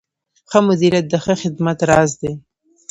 ښه مدیریت د ښه خدمت راز دی.